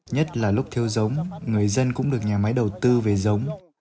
nhất là lúc thiếu giống người dân cũng được nhà máy đầu tư về giống